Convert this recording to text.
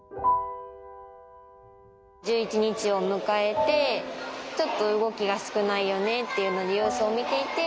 １１日を迎えてちょっと動きが少ないよねっていうので様子を見ていて。